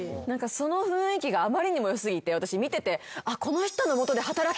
その雰囲気があまりにも良過ぎて私見てて。